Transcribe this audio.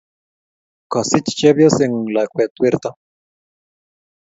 kasich chepyoseng'ung' lakwet werto!